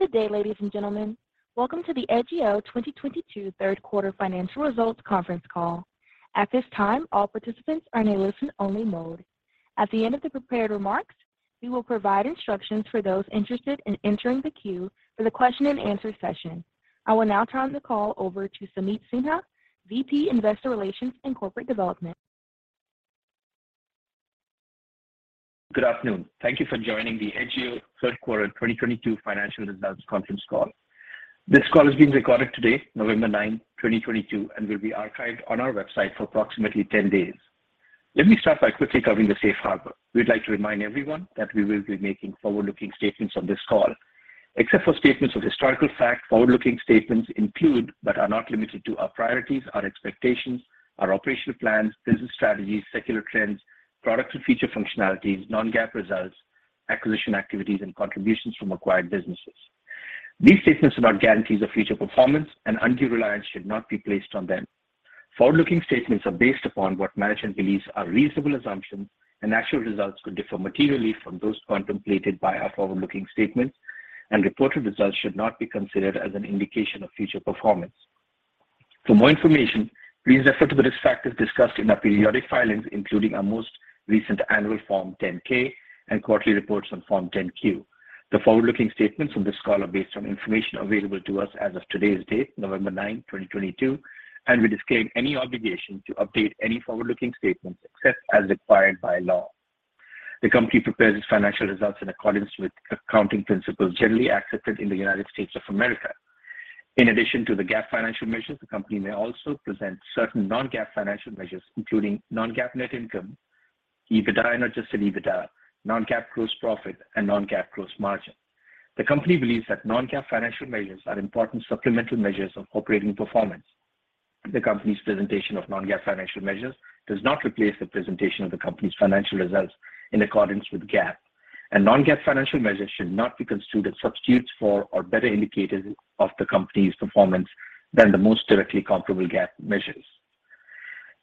Good day, ladies and gentlemen. Welcome to the Edgio 2022 third quarter financial results conference call. At this time, all participants are in a listen-only mode. At the end of the prepared remarks, we will provide instructions for those interested in entering the queue for the question and answer session. I will now turn the call over to Sameet Sinha, VP, Investor Relations and Corporate Development. Good afternoon. Thank you for joining the Edgio third quarter 2022 financial results conference call. This call is being recorded today, November ninth, 2022, and will be archived on our website for approximately 10 days. Let me start by quickly covering the safe harbor. We'd like to remind everyone that we will be making forward-looking statements on this call. Except for statements of historical fact, forward-looking statements include, but are not limited to, our priorities, our expectations, our operational plans, business strategies, secular trends, product and feature functionalities, non-GAAP results, acquisition activities, and contributions from acquired businesses. These statements are not guarantees of future performance, and undue reliance should not be placed on them. Forward-looking statements are based upon what management believes are reasonable assumptions, and actual results could differ materially from those contemplated by our forward-looking statements, and reported results should not be considered as an indication of future performance. For more information, please refer to the risk factors discussed in our periodic filings, including our most recent annual Form 10-K and quarterly reports on Form 10-Q. The forward-looking statements on this call are based on information available to us as of today's date, November ninth, 2022, and we disclaim any obligation to update any forward-looking statements except as required by law. The company prepares its financial results in accordance with accounting principles generally accepted in the United States of America. In addition to the GAAP financial measures, the company may also present certain non-GAAP financial measures, including non-GAAP net income, EBITDA and adjusted EBITDA, non-GAAP gross profit, and non-GAAP gross margin. The company believes that non-GAAP financial measures are important supplemental measures of operating performance. The company's presentation of non-GAAP financial measures does not replace the presentation of the company's financial results in accordance with GAAP, and non-GAAP financial measures should not be construed as substitutes for or better indicators of the company's performance than the most directly comparable GAAP measures.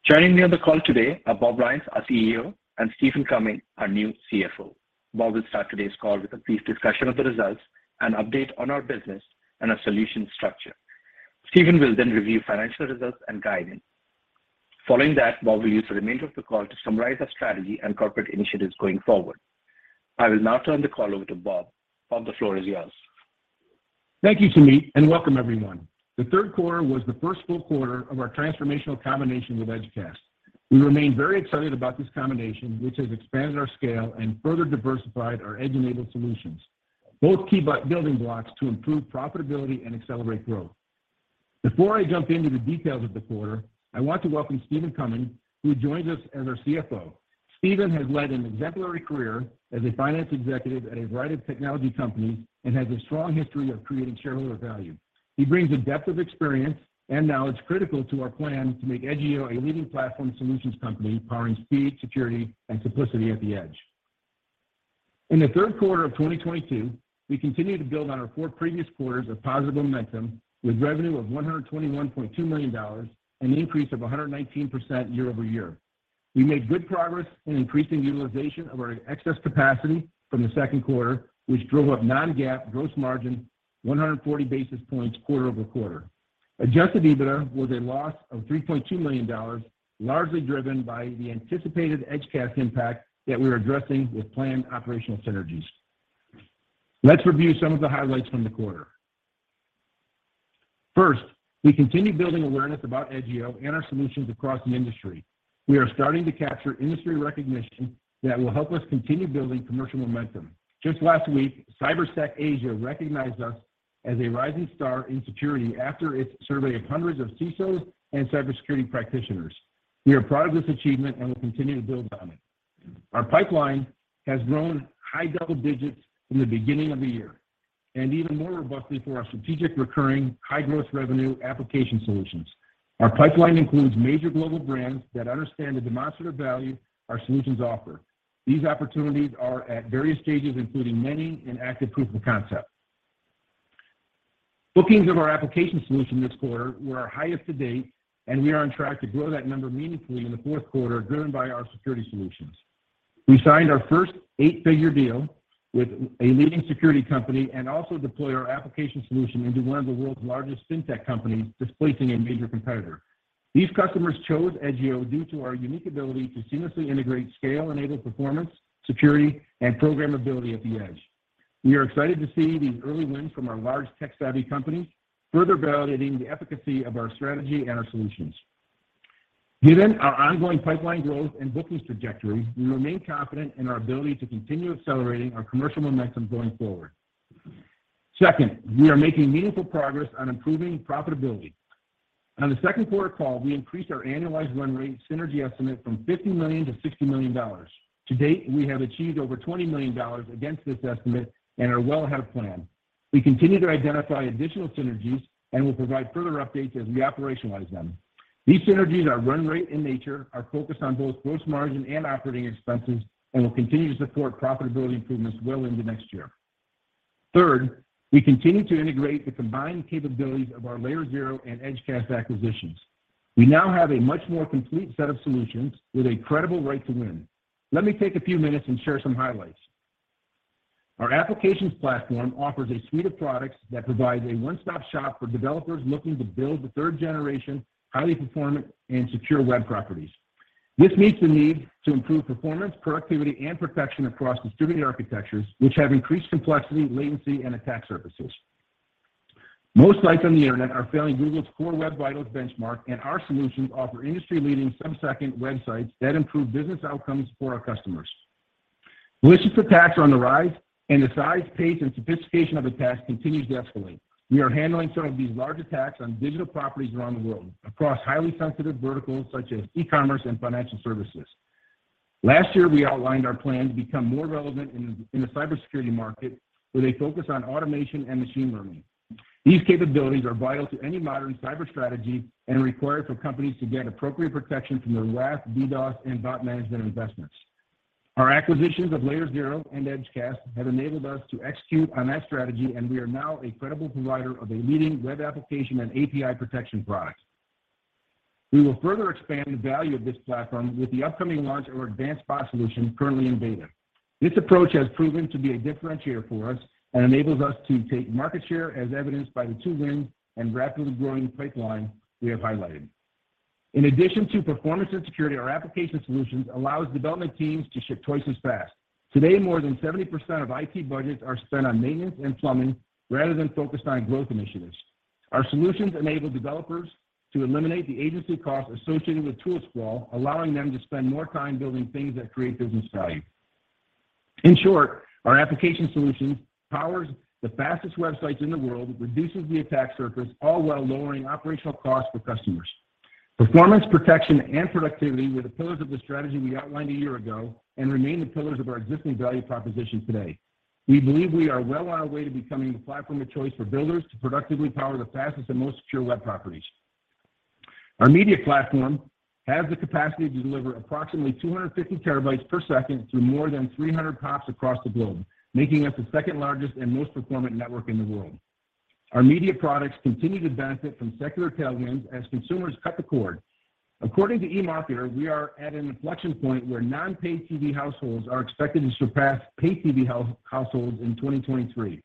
Joining me on the call today are Bob Lyons, our CEO, and Stephen Cumming, our new CFO. Bob will start today's call with a brief discussion of the results, an update on our business and our solution structure. Stephen will then review financial results and guidance. Following that, Bob will use the remainder of the call to summarize our strategy and corporate initiatives going forward. I will now turn the call over to Bob. Bob, the floor is yours. Thank you, Sameet, and welcome everyone. The third quarter was the first full quarter of our transformational combination with Edgecast. We remain very excited about this combination, which has expanded our scale and further diversified our edge-enabled solutions, both key building blocks to improve profitability and accelerate growth. Before I jump into the details of the quarter, I want to welcome Stephen Cumming, who joins us as our CFO. Stephen has led an exemplary career as a finance executive at a variety of technology companies and has a strong history of creating shareholder value. He brings a depth of experience and knowledge critical to our plan to make Edgio a leading platform solutions company powering speed, security, and simplicity at the edge. In the third quarter of 2022, we continue to build on our four previous quarters of positive momentum with revenue of $121.2 million, an increase of 119% year-over-year. We made good progress in increasing utilization of our excess capacity from the second quarter, which drove up non-GAAP gross margin 140 basis points quarter-over-quarter. Adjusted EBITDA was a loss of $3.2 million, largely driven by the anticipated Edgecast impact that we are addressing with planned operational synergies. Let's review some of the highlights from the quarter. First, we continue building awareness about Edgio and our solutions across the industry. We are starting to capture industry recognition that will help us continue building commercial momentum. Just last week, CybersecAsia recognized us as a rising star in security after its survey of hundreds of CISOs and cybersecurity practitioners. We are proud of this achievement and will continue to build on it. Our pipeline has grown high double digits from the beginning of the year, and even more robustly for our strategic recurring high-gross revenue application solutions. Our pipeline includes major global brands that understand the demonstrative value our solutions offer. These opportunities are at various stages, including many in active proof of concept. Bookings of our application solution this quarter were our highest to date, and we are on track to grow that number meaningfully in the fourth quarter, driven by our security solutions. We signed our first eight-figure deal with a leading security company and also deployed our application solution into one of the world's largest fintech companies, displacing a major competitor. These customers chose Edgio due to our unique ability to seamlessly integrate edge-enabled performance, security, and programmability at the edge. We are excited to see these early wins from our large, tech-savvy companies further validating the efficacy of our strategy and our solutions. Given our ongoing pipeline growth and bookings trajectory, we remain confident in our ability to continue accelerating our commercial momentum going forward. Second, we are making meaningful progress on improving profitability. On the second quarter call, we increased our annualized run rate synergy estimate from $50 million-$60 million. To date, we have achieved over $20 million against this estimate and are well ahead of plan. We continue to identify additional synergies and will provide further updates as we operationalize them. These synergies are run rate in nature, are focused on both gross margin and operating expenses, and will continue to support profitability improvements well into next year. Third, we continue to integrate the combined capabilities of our LayerZero and Edgecast acquisitions. We now have a much more complete set of solutions with a credible right to win. Let me take a few minutes and share some highlights. Our applications platform offers a suite of products that provides a one-stop shop for developers looking to build the third generation, highly performant and secure web properties. This meets the need to improve performance, productivity and protection across distributed architectures which have increased complexity, latency and attack surfaces. Most sites on the internet are failing Google's Core Web Vitals benchmark, and our solutions offer industry-leading sub-second websites that improve business outcomes for our customers. Malicious attacks are on the rise, and the size, pace and sophistication of attacks continues to escalate. We are handling some of these large attacks on digital properties around the world across highly sensitive verticals such as e-commerce and financial services. Last year, we outlined our plan to become more relevant in the cybersecurity market with a focus on automation and machine learning. These capabilities are vital to any modern cyber strategy and required for companies to get appropriate protection from their WAF, DDoS and bot management investments. Our acquisitions of LayerZero and Edgecast have enabled us to execute on that strategy, and we are now a credible provider of a leading web application and API protection product. We will further expand the value of this platform with the upcoming launch of our advanced bot solution currently in beta. This approach has proven to be a differentiator for us and enables us to take market share as evidenced by the two wins and rapidly growing pipeline we have highlighted. In addition to performance and security, our application solutions allows development teams to ship twice as fast. Today, more than 70% of IT budgets are spent on maintenance and plumbing rather than focused on growth initiatives. Our solutions enable developers to eliminate the agency costs associated with tool sprawl, allowing them to spend more time building things that create business value. In short, our application solution powers the fastest websites in the world, reduces the attack surface all while lowering operational costs for customers. Performance, protection and productivity were the pillars of the strategy we outlined a year ago and remain the pillars of our existing value proposition today. We believe we are well on our way to becoming the platform of choice for builders to productively power the fastest and most secure web properties. Our media platform has the capacity to deliver approximately 250 terabytes per second through more than 300 pops across the globe, making us the second-largest and most performant network in the world. Our media products continue to benefit from secular tailwinds as consumers cut the cord. According to eMarketer, we are at an inflection point where non-paid TV households are expected to surpass paid TV households in 2023.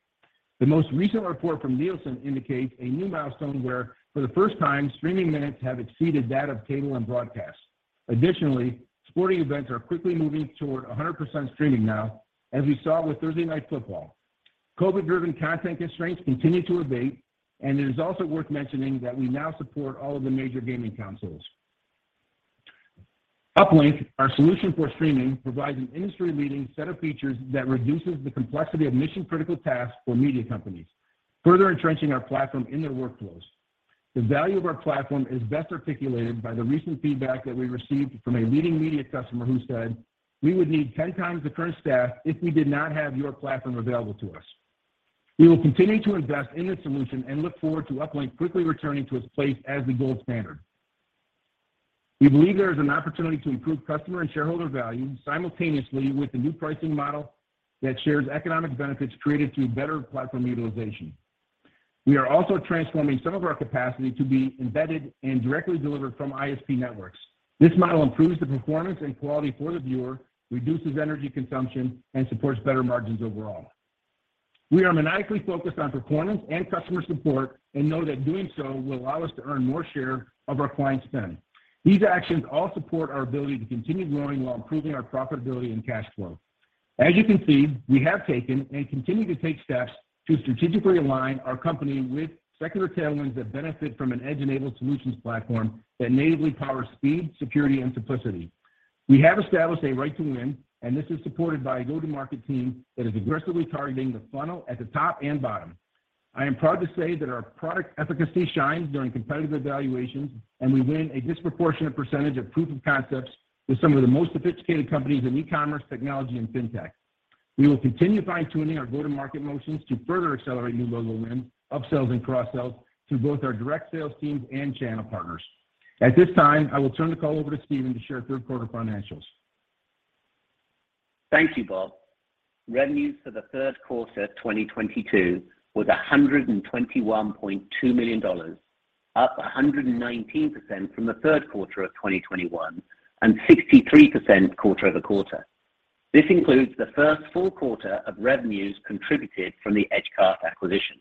The most recent report from Nielsen indicates a new milestone where for the first time, streaming minutes have exceeded that of cable and broadcast. Additionally, sporting events are quickly moving toward 100% streaming now, as we saw with Thursday Night Football. COVID-driven content constraints continue to abate, and it is also worth mentioning that we now support all of the major gaming consoles. Uplynk, our solution for streaming, provides an industry-leading set of features that reduces the complexity of mission-critical tasks for media companies, further entrenching our platform in their workflows. The value of our platform is best articulated by the recent feedback that we received from a leading media customer who said, "We would need ten times the current staff if we did not have your platform available to us." We will continue to invest in this solution and look forward to Uplynk quickly returning to its place as the gold standard. We believe there is an opportunity to improve customer and shareholder value simultaneously with the new pricing model that shares economic benefits created through better platform utilization. We are also transforming some of our capacity to be embedded and directly delivered from ISP networks. This model improves the performance and quality for the viewer, reduces energy consumption, and supports better margins overall. We are maniacally focused on performance and customer support and know that doing so will allow us to earn more share of our clients' spend. These actions all support our ability to continue growing while improving our profitability and cash flow. As you can see, we have taken and continue to take steps to strategically align our company with secular tailwinds that benefit from an edge-enabled solutions platform that natively powers speed, security and simplicity. We have established a right to win, and this is supported by a go-to-market team that is aggressively targeting the funnel at the top and bottom. I am proud to say that our product efficacy shines during competitive evaluations, and we win a disproportionate percentage of proof of concepts with some of the most sophisticated companies in e-commerce, technology and fintech. We will continue fine-tuning our go-to-market motions to further accelerate new logo wins, upsells and cross-sells through both our direct sales teams and channel partners. At this time, I will turn the call over to Stephen to share third quarter financials. Thank you, Bob. Revenues for the third quarter 2022 was $121.2 million, up 119% from the third quarter of 2021 and 63% quarter-over-quarter. This includes the first full quarter of revenues contributed from the Edgecast acquisition.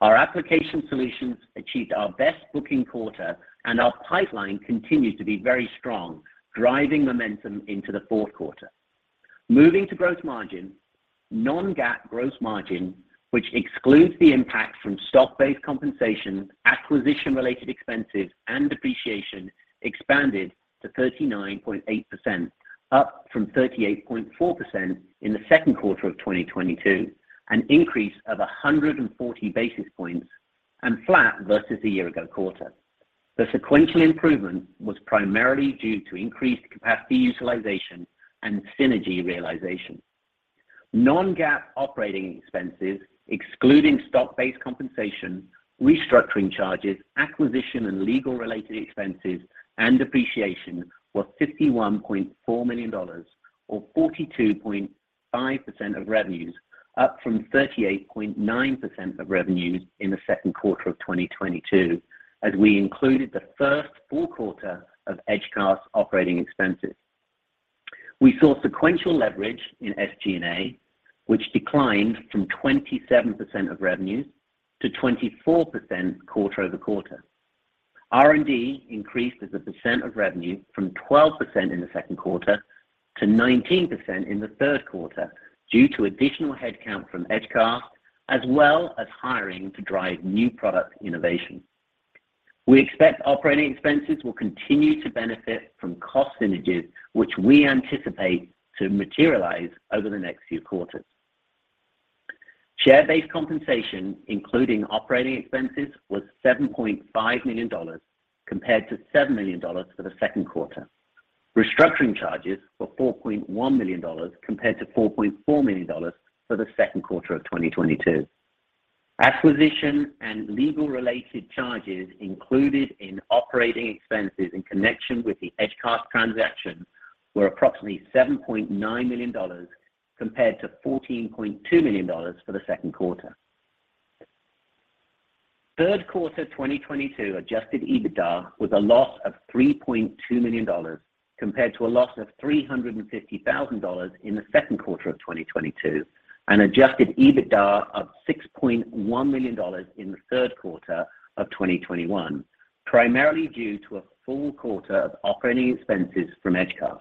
Our application solutions achieved our best booking quarter, and our pipeline continues to be very strong, driving momentum into the fourth quarter. Moving to gross margin. Non-GAAP gross margin, which excludes the impact from stock-based compensation, acquisition-related expenses and depreciation expanded to 39.8%, up from 38.4% in the second quarter of 2022, an increase of 140 basis points and flat versus the year-ago quarter. The sequential improvement was primarily due to increased capacity utilization and synergy realization. Non-GAAP operating expenses excluding stock-based compensation, restructuring charges, acquisition and legal-related expenses and depreciation was $51.4 million or 42.5% of revenues up from 38.9% of revenues in the second quarter of 2022 as we included the first full quarter of Edgecast operating expenses. We saw sequential leverage in SG&A, which declined from 27% of revenue to 24% quarter-over-quarter. R&D increased as a percent of revenue from 12% in the second quarter to 19% in the third quarter due to additional headcount from Edgecast, as well as hiring to drive new product innovation. We expect operating expenses will continue to benefit from cost synergies, which we anticipate to materialize over the next few quarters. Share-based compensation, including operating expenses, was $7.5 million compared to $7 million for the second quarter. Restructuring charges were $4.1 million compared to $4.4 million for the second quarter of 2022. Acquisition and legal-related charges included in operating expenses in connection with the Edgecast transaction were approximately $7.9 million compared to $14.2 million for the second quarter. Third quarter 2022 adjusted EBITDA was a loss of $3.2 million compared to a loss of $350,000 in the second quarter of 2022, and adjusted EBITDA of $6.1 million in the third quarter of 2021, primarily due to a full quarter of operating expenses from Edgecast.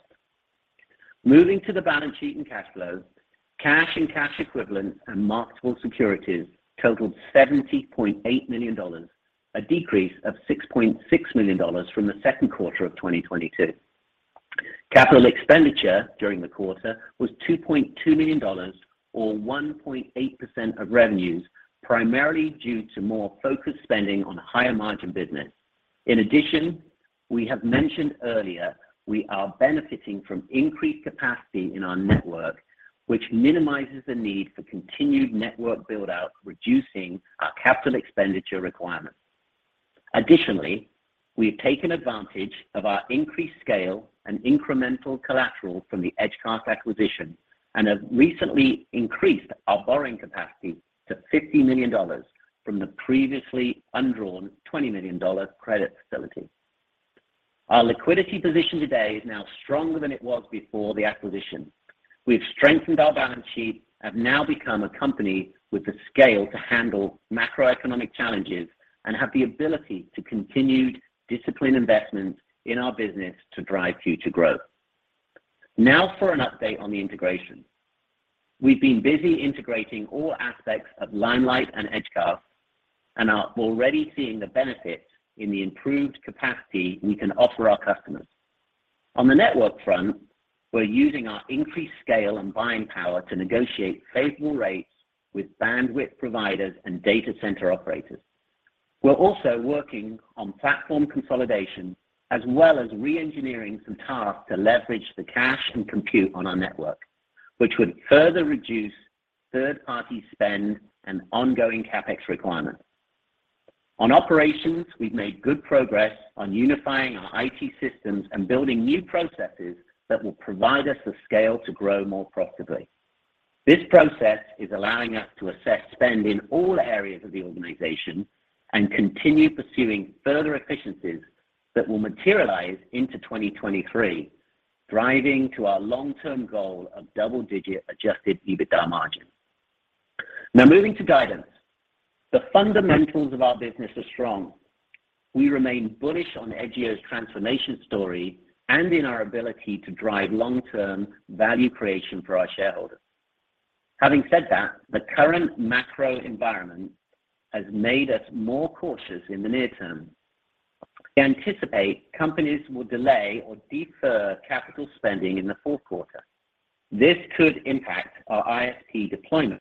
Moving to the balance sheet and cash flow. Cash and cash equivalents and marketable securities totaled $70.8 million, a decrease of $6.6 million from the second quarter of 2022. Capital expenditure during the quarter was $2.2 million or 1.8% of revenues, primarily due to more focused spending on higher-margin business. In addition, we have mentioned earlier we are benefiting from increased capacity in our network, which minimizes the need for continued network build-out, reducing our capital expenditure requirements. Additionally, we have taken advantage of our increased scale and incremental collateral from the Edgecast acquisition and have recently increased our borrowing capacity to $50 million from the previously undrawn $20 million credit facility. Our liquidity position today is now stronger than it was before the acquisition. We've strengthened our balance sheet, have now become a company with the scale to handle macroeconomic challenges, and have the ability to continue disciplined investment in our business to drive future growth. Now for an update on the integration. We've been busy integrating all aspects of Limelight and Edgecast and are already seeing the benefit in the improved capacity we can offer our customers. On the network front, we're using our increased scale and buying power to negotiate favorable rates with bandwidth providers and data center operators. We're also working on platform consolidation as well as re-engineering some tasks to leverage the cache and compute on our network, which would further reduce third-party spend and ongoing CapEx requirements. On operations, we've made good progress on unifying our IT systems and building new processes that will provide us the scale to grow more profitably. This process is allowing us to assess spend in all areas of the organization and continue pursuing further efficiencies that will materialize into 2023, driving to our long-term goal of double-digit adjusted EBITDA margin. Now moving to guidance. The fundamentals of our business are strong. We remain bullish on Edgio's transformation story and in our ability to drive long-term value creation for our shareholders. Having said that, the current macro environment has made us more cautious in the near term. We anticipate companies will delay or defer capital spending in the fourth quarter. This could impact our ISP deployments,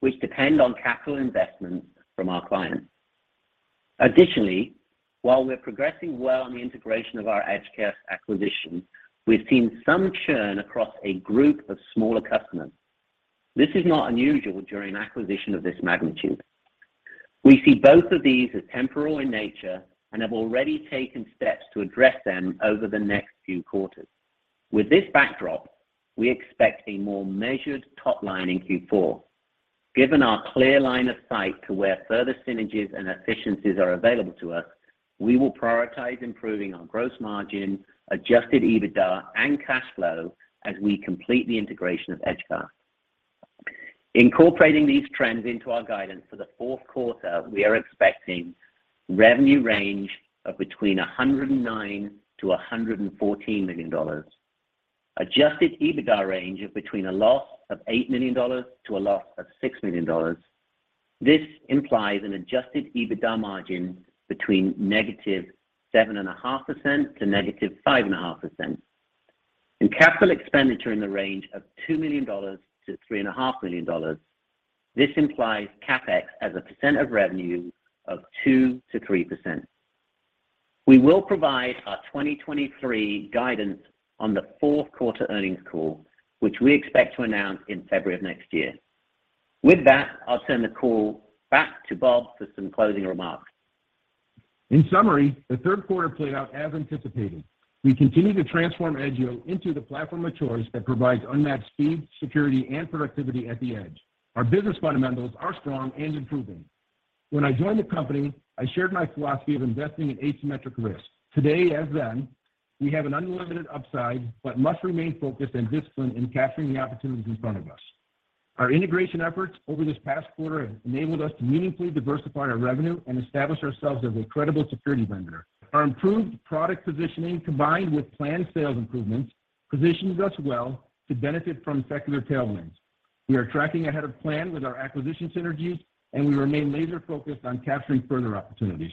which depend on capital investments from our clients. Additionally, while we're progressing well on the integration of our Edgecast acquisition, we've seen some churn across a group of smaller customers. This is not unusual during acquisition of this magnitude. We see both of these as temporal in nature and have already taken steps to address them over the next few quarters. With this backdrop, we expect a more measured top line in Q4. Given our clear line of sight to where further synergies and efficiencies are available to us, we will prioritize improving our gross margin, adjusted EBITDA, and cash flow as we complete the integration of Edgecast. Incorporating these trends into our guidance for the fourth quarter, we are expecting revenue range of between $109 million and $114 million. Adjusted EBITDA range of between a loss of $8 million and a loss of $6 million. This implies an adjusted EBITDA margin between -7.5% and -5.5%. Capital expenditure in the range of $2 million-$3.5 million. This implies CapEx as a percent of revenue of 2%-3%. We will provide our 2023 guidance on the fourth quarter earnings call, which we expect to announce in February of next year. With that, I'll turn the call back to Bob for some closing remarks. In summary, the third quarter played out as anticipated. We continue to transform Edgio into the platform of choice that provides unmatched speed, security, and productivity at the edge. Our business fundamentals are strong and improving. When I joined the company, I shared my philosophy of investing in asymmetric risk. Today as then, we have an unlimited upside but must remain focused and disciplined in capturing the opportunities in front of us. Our integration efforts over this past quarter have enabled us to meaningfully diversify our revenue and establish ourselves as a credible security vendor. Our improved product positioning combined with planned sales improvements positions us well to benefit from secular tailwinds. We are tracking ahead of plan with our acquisition synergies, and we remain laser-focused on capturing further opportunities.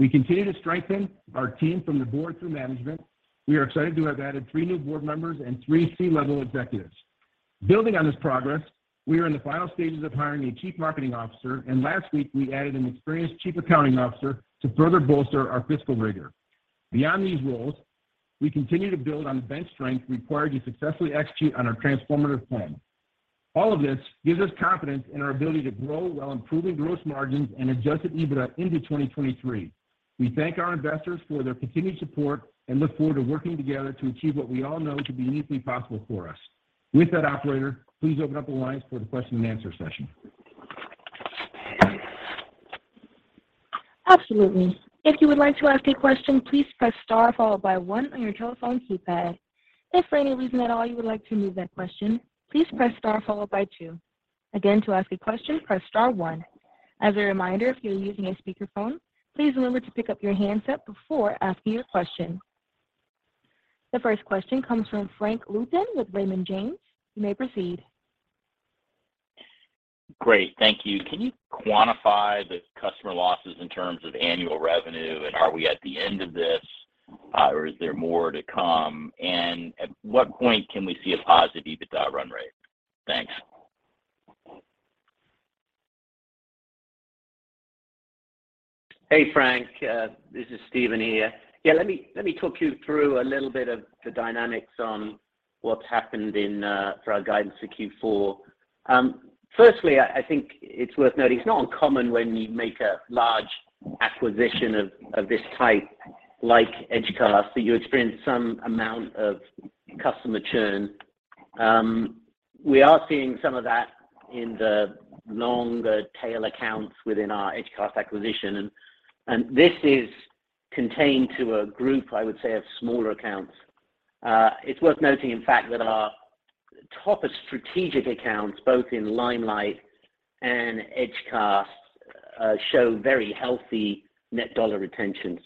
We continue to strengthen our team from the board through management. We are excited to have added three new board members and three C-level executives. Building on this progress, we are in the final stages of hiring a chief marketing officer, and last week we added an experienced chief accounting officer to further bolster our fiscal rigor. Beyond these roles, we continue to build on the bench strength required to successfully execute on our transformative plan. All of this gives us confidence in our ability to grow while improving gross margins and adjusted EBITDA into 2023. We thank our investors for their continued support and look forward to working together to achieve what we all know to be uniquely possible for us. With that, operator, please open up the lines for the question and answer session. Absolutely. If you would like to ask a question, please press star followed by one on your telephone keypad. If for any reason at all you would like to remove that question, please press star followed by two. Again, to ask a question, press star one. As a reminder, if you're using a speakerphone, please remember to pick up your handset before asking your question. The first question comes from Frank Louthan with Raymond James. You may proceed. Great. Thank you. Can you quantify the customer losses in terms of annual revenue? Are we at the end of this, or is there more to come? At what point can we see a positive EBITDA run rate? Thanks. Hey, Frank. This is Stephen here. Yeah, let me talk you through a little bit of the dynamics on what's happened in for our guidance for Q4. Firstly, I think it's worth noting it's not uncommon when you make a large acquisition of this type, like Edgecast, that you experience some amount of customer churn. We are seeing some of that in the longer tail accounts within our Edgecast acquisition. This is contained to a group, I would say, of smaller accounts. It's worth noting, in fact, that our top strategic accounts, both in Limelight and Edgecast, show very healthy net dollar retentions.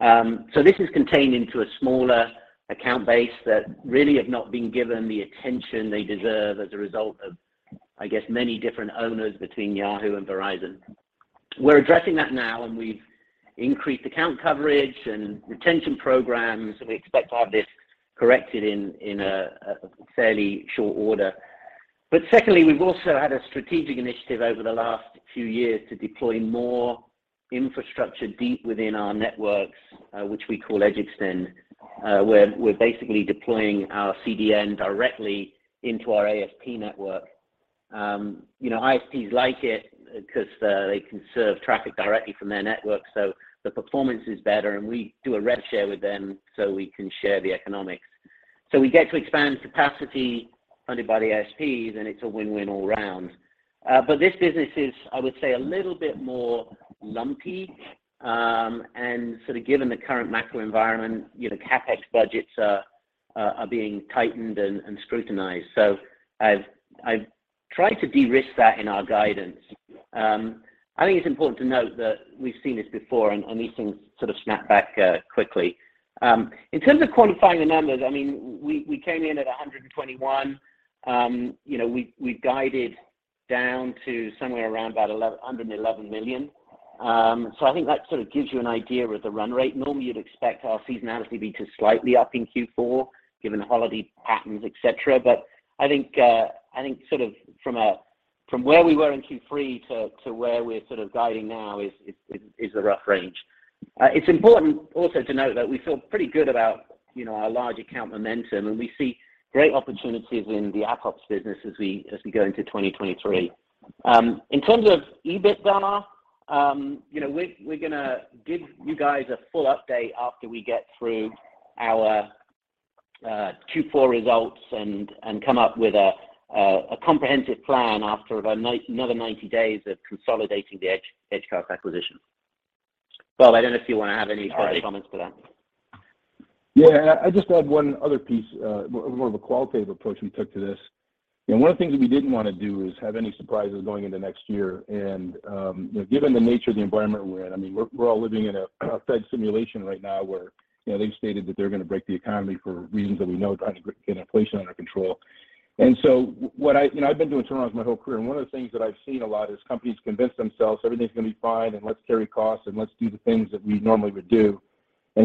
This is contained into a smaller account base that really have not been given the attention they deserve as a result of, I guess, many different owners between Yahoo and Verizon. We're addressing that now, and we've increased account coverage and retention programs, and we expect to have this corrected in a fairly short order. Secondly, we've also had a strategic initiative over the last few years to deploy more infrastructure deep within our networks, which we call Edge Extend, where we're basically deploying our CDN directly into our ISP network. You know, ISPs like it because they can serve traffic directly from their network, so the performance is better, and we do a rev share with them, so we can share the economics. We get to expand capacity funded by the ISPs, and it's a win-win all round. This business is, I would say, a little bit more lumpy, and sort of given the current macro environment, you know, CapEx budgets are being tightened and scrutinized. I've tried to de-risk that in our guidance. I think it's important to note that we've seen this before, and these things sort of snap back quickly. In terms of quantifying the numbers, I mean, we came in at 121. You know, we've guided down to somewhere around about under $11 million. I think that sort of gives you an idea of the run rate. Normally, you'd expect our seasonality to be slightly up in Q4, given the holiday patterns, et cetera. I think sort of from where we were in Q3 to where we're sort of guiding now is a rough range. It's important also to note that we feel pretty good about, you know, our large account momentum, and we see great opportunities in the AppOps business as we go into 2023. In terms of EBITDA, you know, we're gonna give you guys a full update after we get through our Q4 results and come up with a comprehensive plan after another 90 days of consolidating the Edgecast acquisition. Bob, I don't know if you want to have any further comments to that. Yeah. I just add one other piece, more of a qualitative approach we took to this. You know, one of the things we didn't want to do is have any surprises going into next year. You know, given the nature of the environment we're in, I mean, we're all living in a Fed simulation right now, where, you know, they've stated that they're gonna break the economy for reasons that we know, trying to get inflation under control. You know, I've been doing turnarounds my whole career, and one of the things that I've seen a lot is companies convince themselves everything's gonna be fine and let's carry costs and let's do the things that we normally would do.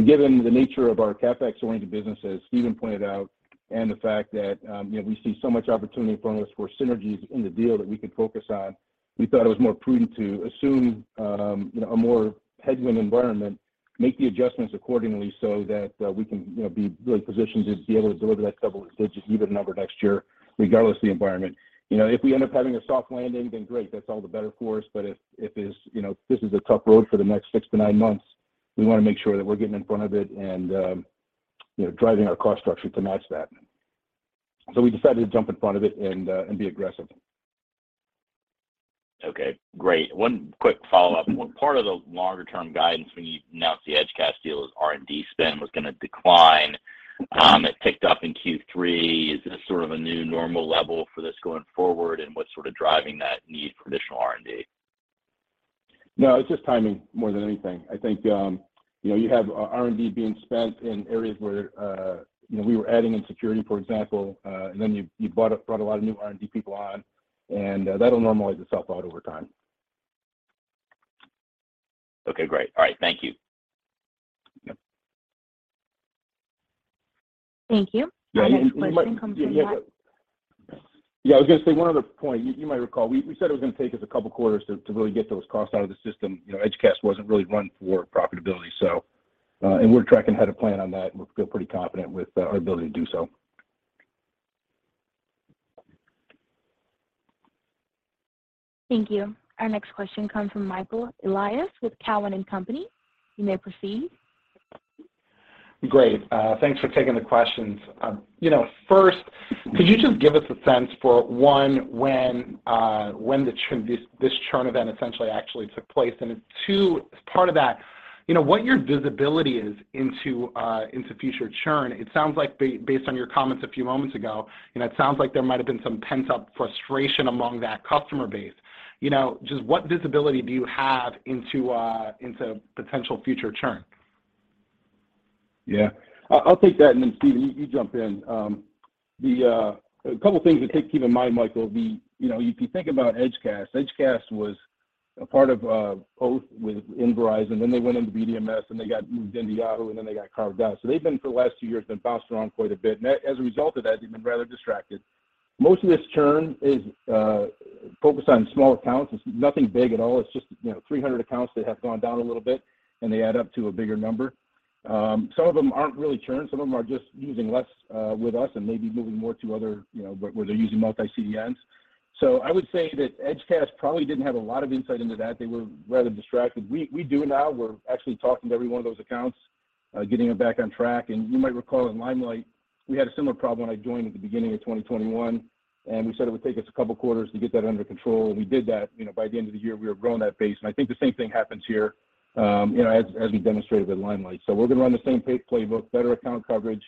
Given the nature of our CapEx-oriented business, as Stephen pointed out, and the fact that, you know, we see so much opportunity in front of us for synergies in the deal that we can focus on, we thought it was more prudent to assume, you know, a more headwind environment. Make the adjustments accordingly so that, we can, you know, be really positioned to be able to deliver that double-digit EBITDA number next year regardless of the environment. You know, if we end up having a soft landing, then great, that's all the better for us. If it's, you know, this is a tough road for the next 6months-9 months, we wanna make sure that we're getting in front of it and, you know, driving our cost structure to match that. We decided to jump in front of it and be aggressive. Okay. Great. One quick follow-up. One part of the longer-term guidance when you announced the Edgecast deal is R&D spend was gonna decline. It ticked up in Q3. Is this sort of a new normal level for this going forward, and what's sort of driving that need for additional R&D? No, it's just timing more than anything. I think, you know, you have R&D being spent in areas where, you know, we were adding in security, for example, and then you brought a lot of new R&D people on, and that'll normalize itself out over time. Okay. Great. All right. Thank you. Yep. Thank you. Yeah, you might Our next question comes from Mike. Yeah, yeah. Yeah, I was gonna say one other point. You might recall, we said it was gonna take us a couple quarters to really get those costs out of the system. You know, Edgecast wasn't really run for profitability, so, and we're tracking ahead of plan on that, and we feel pretty confident with our ability to do so. Thank you. Our next question comes from Michael Elias with Cowen and Company. You may proceed. Great. Thanks for taking the questions. You know, first, could you just give us a sense for one, when the churn, this churn event essentially actually took place? Then two, as part of that, you know, what your visibility is into future churn? It sounds like based on your comments a few moments ago, you know, it sounds like there might've been some pent-up frustration among that customer base. You know, just what visibility do you have into potential future churn? Yeah. I'll take that, and then Stephen, you jump in. A couple things to keep in mind, Michael. You know, if you think about Edgecast was a part of Oath within Verizon, then they went into VDMS, and they got moved into Yahoo, and then they got carved out. They've been for the last two years bounced around quite a bit. As a result of that, they've been rather distracted. Most of this churn is focused on small accounts. It's nothing big at all. It's just, you know, 300 accounts that have gone down a little bit, and they add up to a bigger number. Some of them aren't really churn. Some of them are just using less with us and maybe moving more to other, you know, where they're using multi-CDNs. I would say that Edgecast probably didn't have a lot of insight into that. They were rather distracted. We do now. We're actually talking to every one of those accounts, getting them back on track. You might recall in Limelight, we had a similar problem when I joined at the beginning of 2021, and we said it would take us a couple quarters to get that under control, and we did that. You know, by the end of the year, we were growing that base, and I think the same thing happens here, you know, as we demonstrated with Limelight. We're gonna run the same playbook, better account coverage,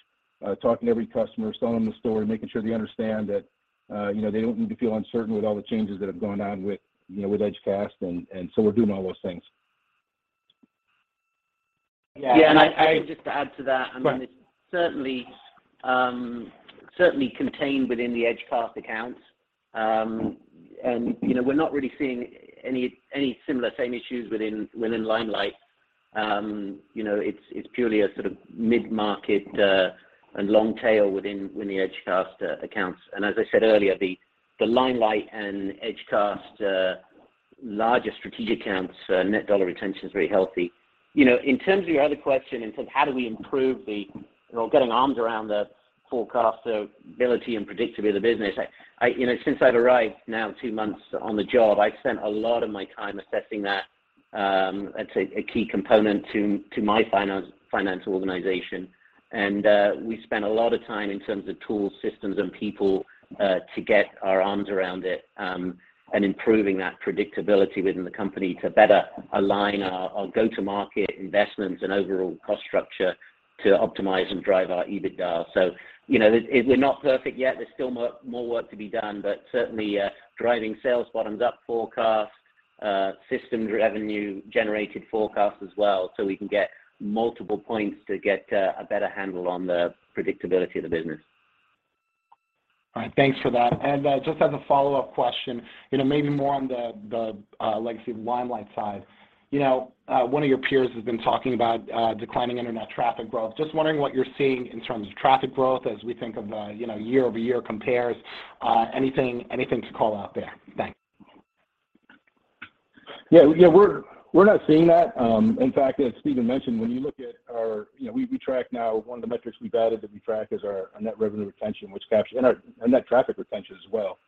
talking to every customer, selling the story, making sure they understand that, you know, they don't need to feel uncertain with all the changes that have gone on with, you know, with Edgecast and so we're doing all those things. Yeah. Yeah, I think just to add to that. Go ahead. I mean, it's certainly contained within the Edgecast accounts. You know, we're not really seeing any similar issues within Limelight. You know, it's purely a sort of mid-market and long tail within the Edgecast accounts. As I said earlier, the Limelight and Edgecast larger strategic accounts net dollar retention is very healthy. You know, in terms of your other question, in terms of how do we improve getting our arms around the forecastability and predictability of the business. You know, since I've arrived now two months on the job, I've spent a lot of my time assessing that. That's a key component to my finance organization. We spent a lot of time in terms of tools, systems, and people to get our arms around it and improving that predictability within the company to better align our go-to-market investments and overall cost structure to optimize and drive our EBITDA. You know, it. We're not perfect yet. There's still more work to be done, but certainly driving sales bottoms-up forecast, systems revenue-generated forecast as well, so we can get multiple points to get a better handle on the predictability of the business. All right. Thanks for that. Just as a follow-up question, you know, maybe more on the legacy Limelight side. You know, one of your peers has been talking about declining internet traffic growth. Just wondering what you're seeing in terms of traffic growth as we think of, you know, year-over-year compares. Anything to call out there? Thanks. Yeah. Yeah, we're not seeing that. In fact, as Stephen mentioned, when you look at our you know we track now one of the metrics we've added that we track is our net revenue retention, which captures and our net traffic retention as well.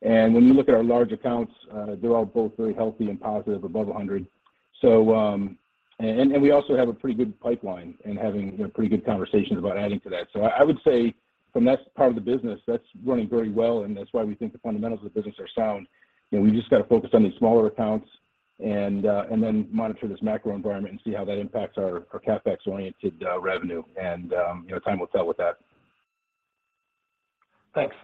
When you look at our large accounts, they're all both very healthy and positive, above 100. We also have a pretty good pipeline and having you know pretty good conversations about adding to that. I would say from that part of the business, that's running very well, and that's why we think the fundamentals of the business are sound. You know, we've just got to focus on these smaller accounts and then monitor this macro environment and see how that impacts our CapEx-oriented revenue and, you know, time will tell with that. Thanks.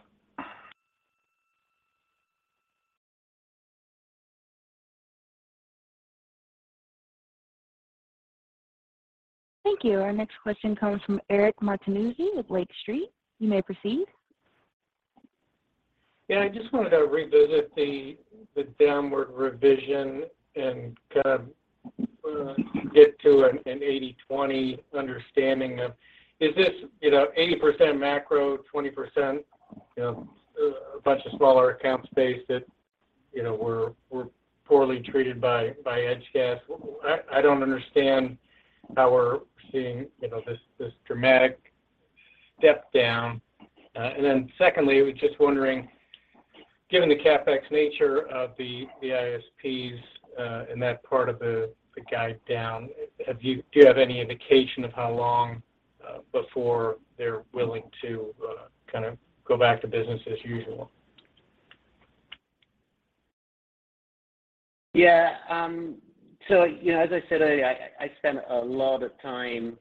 Thank you. Our next question comes from Eric Martinuzzi with Lake Street. You may proceed. Yeah, I just wanted to revisit the downward revision and kind of get to an 80/20 understanding of, is this, you know, 80% macro, 20%, you know, a bunch of smaller accounts base that you know we're poorly treated by Edgecast. Why, I don't understand how we're seeing, you know, this dramatic step down. And then secondly, I was just wondering, given the CapEx nature of the ISPs in that part of the guide down, do you have any indication of how long before they're willing to kind of go back to business as usual? Yeah. So, you know, as I said, I spent a lot of time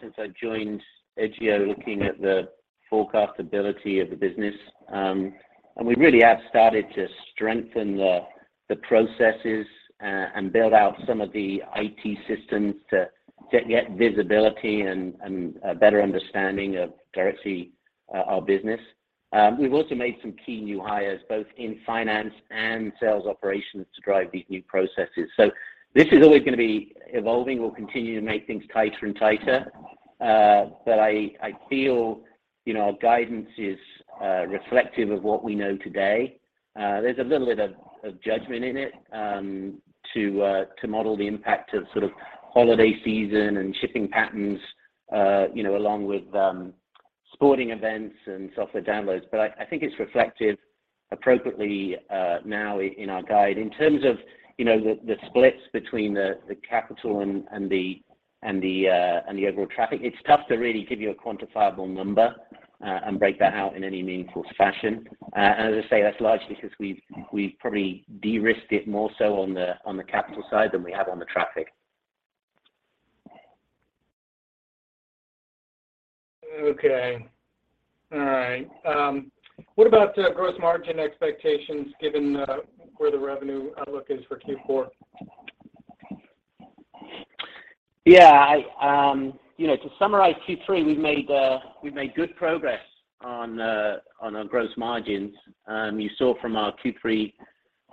since I joined Edgio, looking at the forecastability of the business. We really have started to strengthen the processes and build out some of the IT systems to get visibility and a better understanding of directly our business. We've also made some key new hires, both in finance and sales operations to drive these new processes. This is always gonna be evolving. We'll continue to make things tighter and tighter. I feel, you know, our guidance is reflective of what we know today. There's a little bit of judgment in it to model the impact of sort of holiday season and shipping patterns, you know, along with sporting events and software downloads. I think it's reflective appropriately now in our guide. In terms of, you know, the splits between the capital and the overall traffic, it's tough to really give you a quantifiable number and break that out in any meaningful fashion. As I say, that's largely 'cause we've probably de-risked it more so on the capital side than we have on the traffic. Okay. All right. What about gross margin expectations given where the revenue outlook is for Q4? You know, to summarize Q3, we've made good progress on our gross margins. You saw from our Q3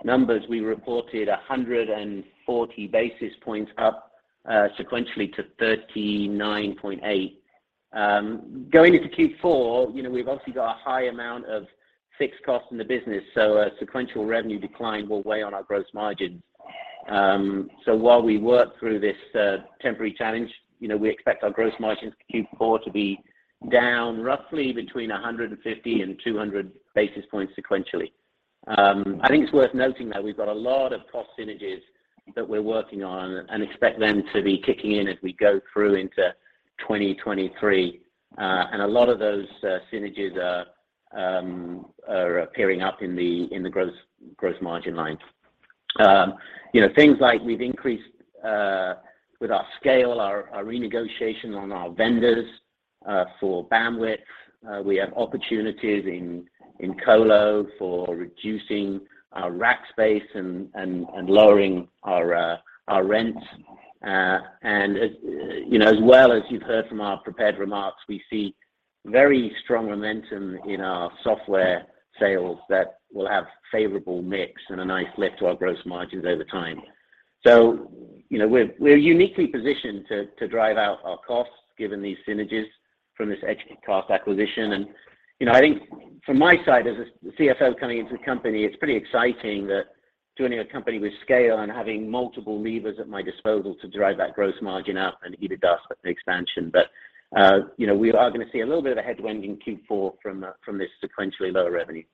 numbers, we reported 140 basis points up sequentially to 39.8%. Going into Q4, you know, we've obviously got a high amount of fixed costs in the business, so a sequential revenue decline will weigh on our gross margins. While we work through this temporary challenge, you know, we expect our gross margins for Q4 to be down roughly between 150 basis points and 200 basis points sequentially. I think it's worth noting that we've got a lot of cost synergies that we're working on and expect them to be kicking in as we go through into 2023. A lot of those synergies are appearing up in the gross margin line. You know, things like we've increased with our scale our renegotiation on our vendors for bandwidth. We have opportunities in Colo for reducing our rack space and lowering our rents. As you know, as well as you've heard from our prepared remarks, we see very strong momentum in our software sales that will have favorable mix and a nice lift to our gross margins over time. You know, we're uniquely positioned to drive out our costs, given these synergies from this Edgecast acquisition. You know, I think from my side as a CFO coming into the company, it's pretty exciting that joining a company with scale and having multiple levers at my disposal to drive that gross margin up and EBITDA expansion. You know, we are gonna see a little bit of a headwind in Q4 from this sequentially lower revenue.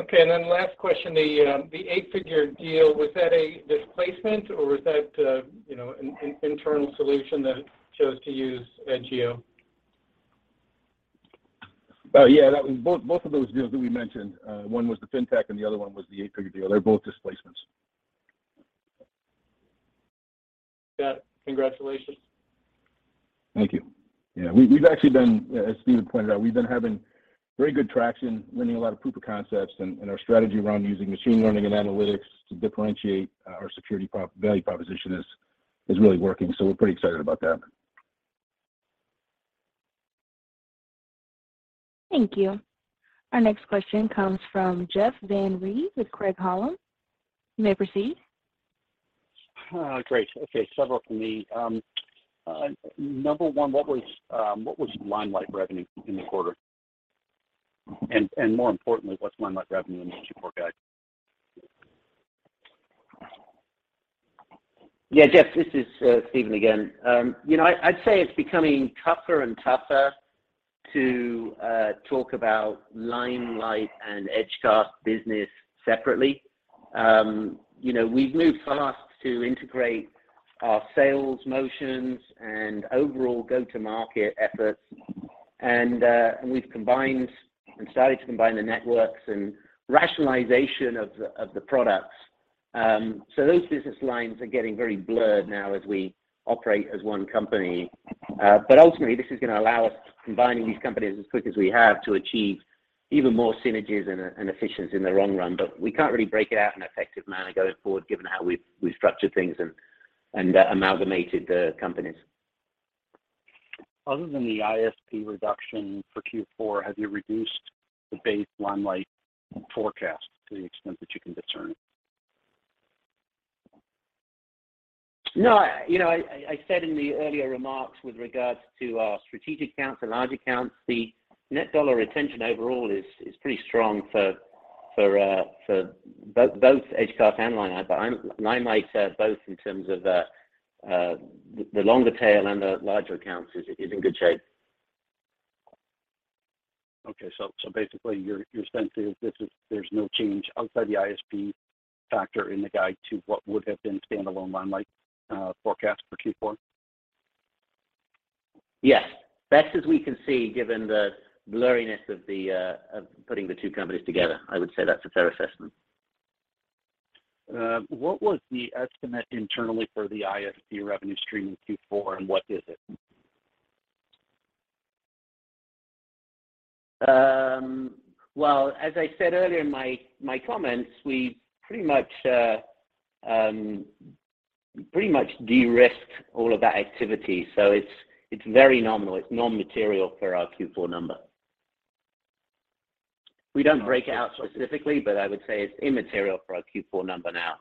Okay. Last question. The eight-figure deal, was that a displacement or was that a, you know, an internal solution that chose to use Edgio? Both of those deals that we mentioned, one was the Fintech and the other one was the 8-figure deal. They're both displacements. Yeah. Congratulations. Thank you. Yeah. We've actually been, as Stephen pointed out, having very good traction, winning a lot of proof of concepts in our strategy around using machine learning and analytics to differentiate our security value proposition is really working. We're pretty excited about that. Thank you. Our next question comes from Jeff Van Rhee with Craig-Hallum. You may proceed. Great. Okay, several from me. Number one, what was Limelight revenue in the quarter? And more importantly, what's Limelight revenue in the Q4 guide? Yeah. Jeff, this is Stephen again. You know, I'd say it's becoming tougher and tougher to talk about Limelight and Edgecast business separately. You know, we've moved fast to integrate our sales motions and overall go-to-market efforts, and we've combined and started to combine the networks and rationalization of the products. Those business lines are getting very blurred now as we operate as one company. Ultimately, this is gonna allow us combining these companies as quick as we have to achieve even more synergies and efficiency in the long run. We can't really break it out in an effective manner going forward, given how we've structured things and amalgamated the companies. Other than the ISP reduction for Q4, have you reduced the base Limelight forecast to the extent that you can discern? No, you know, I said in the earlier remarks with regards to our strategic accounts and large accounts, the net dollar retention overall is pretty strong for both Edgecast and Limelight. Limelight both in terms of the longer tail and the larger accounts is in good shape. Basically, your sense is this is. There's no change outside the ISP factor in the guide to what would have been standalone Limelight forecast for Q4? Yes. Best as we can see, given the blurriness of putting the two companies together, I would say that's a fair assessment. What was the estimate internally for the ISP revenue stream in Q4, and what is it? Well, as I said earlier in my comments, we pretty much de-risked all of that activity. It's very nominal. It's non-material for our Q4 number. We don't break it out specifically, but I would say it's immaterial for our Q4 number now.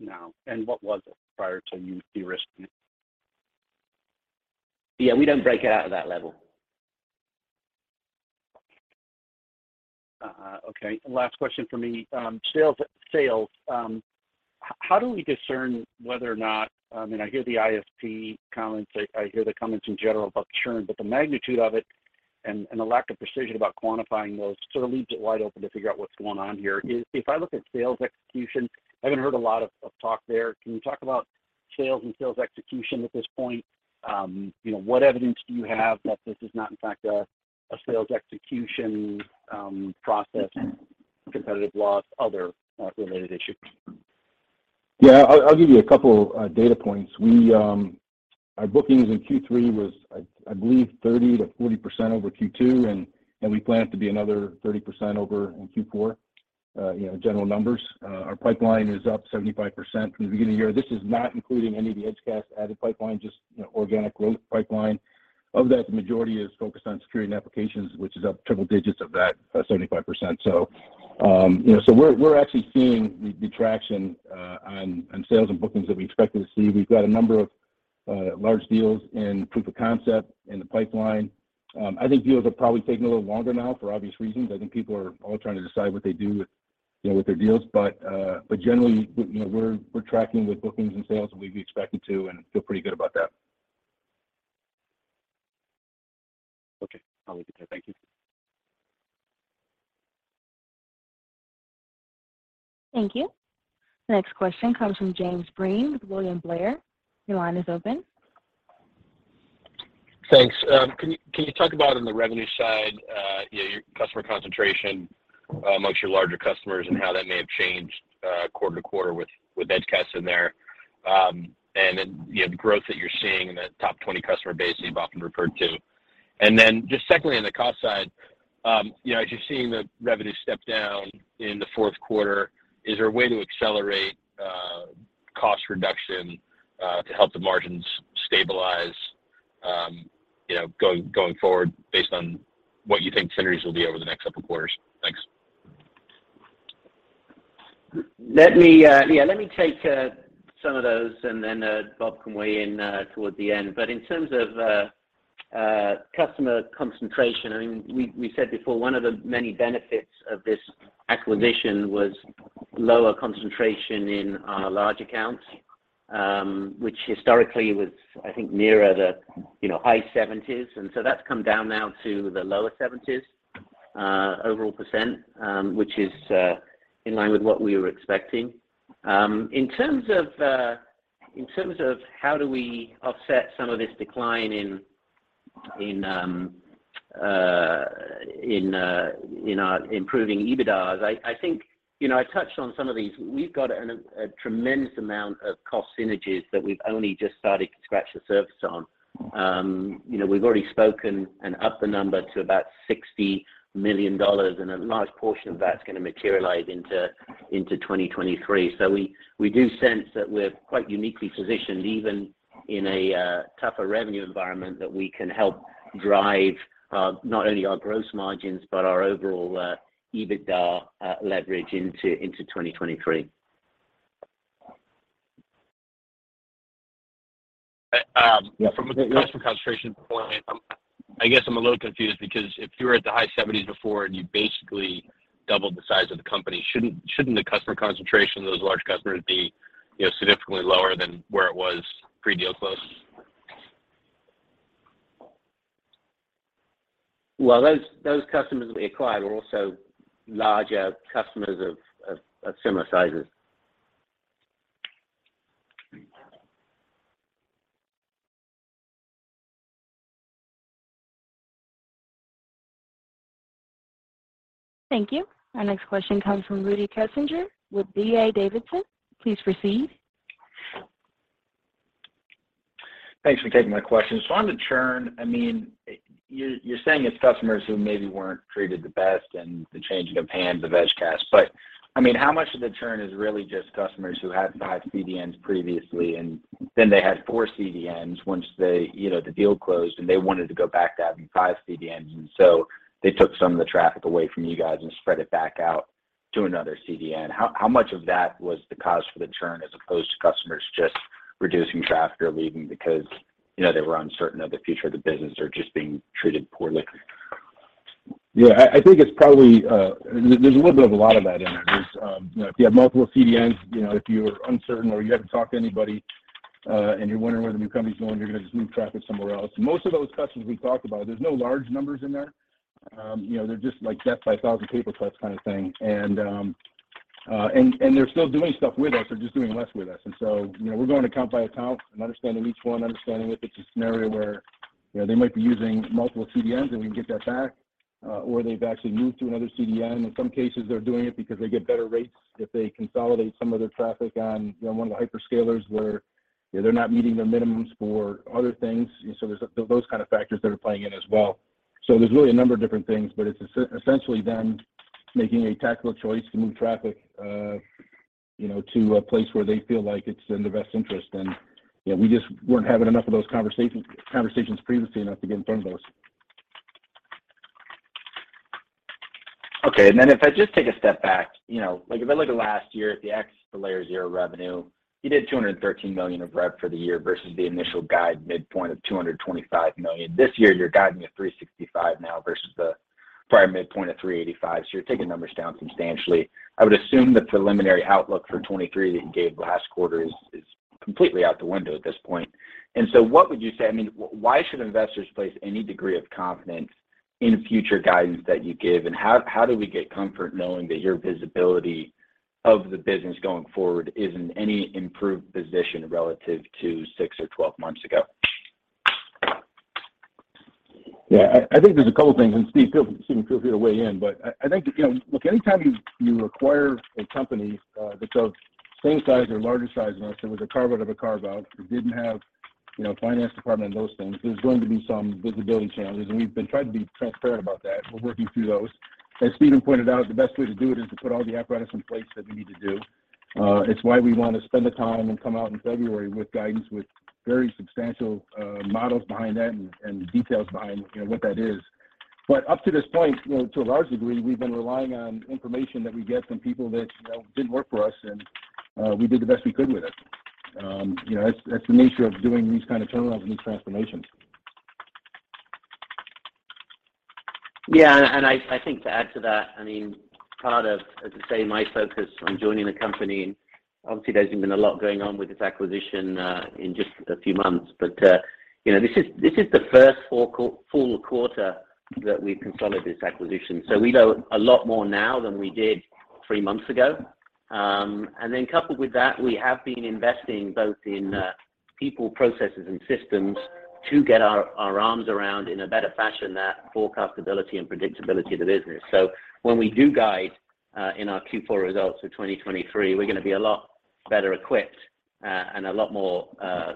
Now. What was it prior to you de-risking it? Yeah, we don't break it out at that level. Okay. Last question for me. Sales. How do we discern whether or not, I mean, I hear the ISP comments, I hear the comments in general about churn, but the magnitude of it and the lack of precision about quantifying those sort of leaves it wide open to figure out what's going on here. If I look at sales execution, I haven't heard a lot of talk there. Can you talk about sales and sales execution at this point? You know, what evidence do you have that this is not in fact a sales execution process, competitive loss, other related issues? Yeah, I'll give you a couple data points. Our bookings in Q3 was, I believe 30%-40% over Q2, and we plan it to be another 30% over in Q4, you know, general numbers. Our pipeline is up 75% from the beginning of the year. This is not including any of the Edgecast added pipeline, just, you know, organic growth pipeline. Of that, the majority is focused on security and applications, which is up triple digits of that 75%. So, you know, we're actually seeing the traction on sales and bookings that we expected to see. We've got a number of large deals in proof of concept in the pipeline. I think deals are probably taking a little longer now for obvious reasons. I think people are all trying to decide what they do with, you know, with their deals. Generally, you know, we're tracking with bookings and sales what we'd be expected to and feel pretty good about that. Okay. I'll leave it there. Thank you. Thank you. The next question comes from James Breen with William Blair. Your line is open. Thanks. Can you talk about on the revenue side, you know, your customer concentration amongst your larger customers and how that may have changed, quarter to quarter with Edgecast in there? You know, the growth that you're seeing in the top 20 customer base that you've often referred to. Just secondly, on the cost side, you know, as you're seeing the revenue step down in the fourth quarter, is there a way to accelerate cost reduction to help the margins stabilize, you know, going forward based on what you think synergies will be over the next couple quarters? Thanks. Let me take some of those, and then Bob can weigh in toward the end. In terms of customer concentration, I mean, we said before one of the many benefits of this acquisition was lower concentration in our large accounts, which historically was, I think, nearer the, you know, high seventies. That's come down now to the lower seventies overall percent, which is in line with what we were expecting. In terms of how do we offset some of this decline in our improving EBITDA, I think. You know, I touched on some of these. We've got a tremendous amount of cost synergies that we've only just started to scratch the surface on. You know, we've already spoken and upped the number to about $60 million, and a large portion of that's gonna materialize into 2023. We do sense that we're quite uniquely positioned, even in a tougher revenue environment, that we can help drive not only our gross margins, but our overall EBITDA leverage into 2023. From a customer concentration point, I guess I'm a little confused because if you were at the high seventies before and you basically doubled the size of the company, shouldn't the customer concentration of those large customers be significantly lower than where it was pre-deal close? Well, those customers we acquired were also larger customers of similar sizes. Thank you. Our next question comes from Rudy Kessinger with D.A. Davidson. Please proceed. Thanks for taking my question. On the churn, I mean, you're saying it's customers who maybe weren't treated the best and the changing of hands of Edgecast. I mean, how much of the churn is really just customers who had the multi-CDNs previously and then they had 4 CDNs once they, you know, the deal closed, and they wanted to go back to having 5 CDNs, and so they took some of the traffic away from you guys and spread it back out to another CDN. How much of that was the cause for the churn, as opposed to customers just reducing traffic or leaving because, you know, they were uncertain of the future of the business or just being treated poorly? Yeah, I think it's probably. There's a little bit of a lot of that in there. There's you know, if you have multiple CDNs, you know, if you're uncertain or you haven't talked to anybody and you're wondering where the new company's going, you're gonna just move traffic somewhere else. Most of those customers we talk about, there's no large numbers in there. You know, they're just like death by a thousand paper cuts kind of thing. They're still doing stuff with us. They're just doing less with us. You know, we're going account by account and understanding each one, understanding if it's a scenario where, you know, they might be using multiple CDNs and we can get that back or they've actually moved to another CDN. In some cases they're doing it because they get better rates if they consolidate some of their traffic on, you know, one of the hyperscalers where they're not meeting their minimums for other things. There's those kind of factors that are playing in as well. There's really a number of different things, but it's essentially them making a tactical choice to move traffic, you know, to a place where they feel like it's in their best interest. You know, we just weren't having enough of those conversations previously enough to get in front of those. Okay, if I just take a step back. You know, like if I look at last year at the ex-LayerZero revenue, you did $213 million of rev for the year versus the initial guide midpoint of $225 million. This year you're guiding at $365 million now versus the prior midpoint of $385 million, so you're taking numbers down substantially. I would assume the preliminary outlook for 2023 that you gave last quarter is completely out the window at this point. What would you say, I mean, why should investors place any degree of confidence in future guidance that you give, and how do we get comfort knowing that your visibility of the business going forward is in any improved position relative to 6 months or 12 months ago? Yeah. I think there's a couple things, and Stephen, feel free to weigh in, but I think, you know, look, any time you acquire a company that's of same size or larger size than us, it was a carve out of a carve out, it didn't have, you know, a finance department and those things. There's going to be some visibility challenges, and we've been trying to be transparent about that. We're working through those. As Stephen pointed out, the best way to do it is to put all the apparatus in place that we need to do. It's why we want to spend the time and come out in February with guidance with very substantial models behind that and details behind, you know, what that is. Up to this point, you know, to a large degree, we've been relying on information that we get from people that, you know, didn't work for us, and we did the best we could with it. You know, that's the nature of doing these kind of turnarounds and these transformations. I think to add to that, I mean, part of, as I say, my focus on joining the company, and obviously there's been a lot going on with this acquisition in just a few months. You know, this is the first full quarter that we've consolidated this acquisition. We know a lot more now than we did three months ago. Then coupled with that, we have been investing both in people, processes, and systems to get our arms around in a better fashion that forecastability and predictability of the business. When we do guide in our Q4 results for 2023, we're gonna be a lot better equipped and a lot more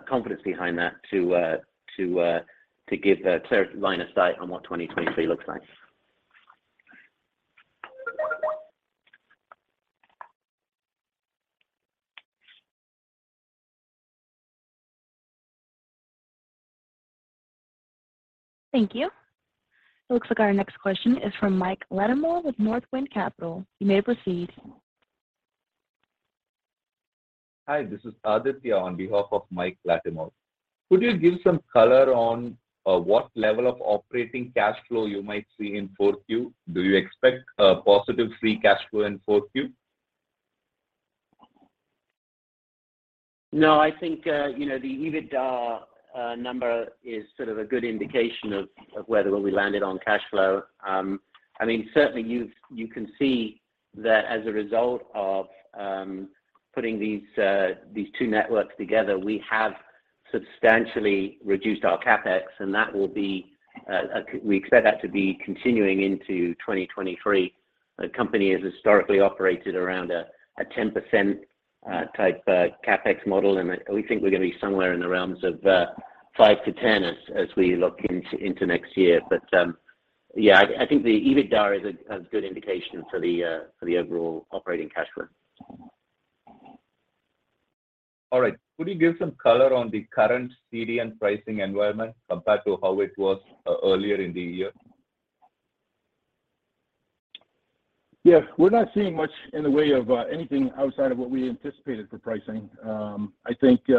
confidence behind that to give a clear line of sight on what 2023 looks like. Thank you. It looks like our next question is from Mike Latimore with Northland Capital Markets. You may proceed. Hi, this is Aditya on behalf of Mike Latimore. Could you give some color on what level of operating cash flow you might see in 4Q? Do you expect a positive free cash flow in 4Q? No, I think the EBITDA number is sort of a good indication of where we landed on cash flow. I mean, certainly you can see that as a result of putting these two networks together, we have substantially reduced our CapEx, and we expect that to be continuing into 2023. The company has historically operated around a 10% type CapEx model, and we think we're gonna be somewhere in the realms of 5%-10% as we look into next year. I think the EBITDA is a good indication for the overall operating cash flow. All right. Could you give some color on the current CDN pricing environment compared to how it was earlier in the year? Yeah. We're not seeing much in the way of anything outside of what we anticipated for pricing. I think, you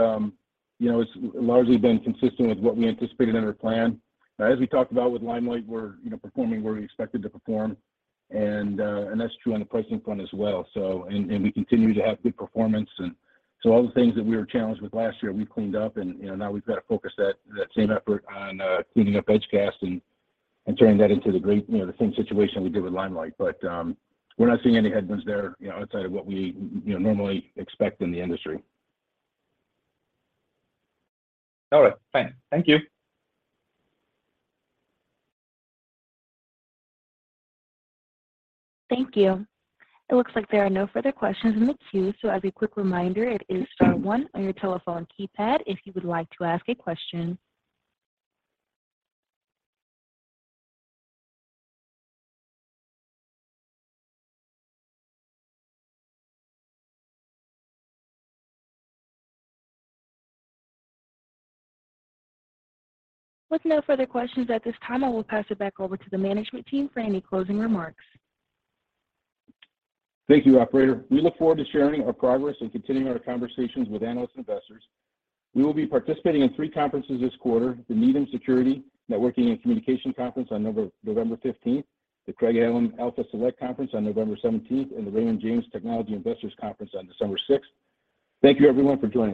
know, it's largely been consistent with what we anticipated in our plan. As we talked about with Limelight, we're, you know, performing where we expected to perform, and that's true on the pricing front as well. We continue to have good performance. All the things that we were challenged with last year, we've cleaned up, and, you know, now we've got to focus that same effort on cleaning up Edgecast and turning that into the great, you know, the same situation we did with Limelight. We're not seeing any headwinds there, you know, outside of what we, you know, normally expect in the industry. All right. Fine. Thank you. Thank you. It looks like there are no further questions in the queue. As a quick reminder, it is star one on your telephone keypad if you would like to ask a question. With no further questions at this time, I will pass it back over to the management team for any closing remarks. Thank you, operator. We look forward to sharing our progress and continuing our conversations with analyst investors. We will be participating in three conferences this quarter, the Needham Security, Networking, and Communications Conference on November fifteenth, the Craig-Hallum Alpha Select Conference on November seventeenth, and the Raymond James Technology Investors Conference on December sixth. Thank you everyone for joining.